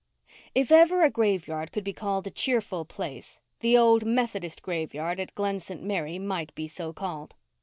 If ever a graveyard could be called a cheerful place, the old Methodist graveyard at Glen St. Mary might be so called.